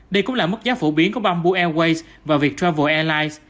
đây cũng là mức giá phổ biến của bamboo airways và viettravel airlines